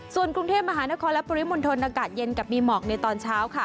ส่วนกรุงเทพมหานครและปริมณฑลอากาศเย็นกับมีหมอกในตอนเช้าค่ะ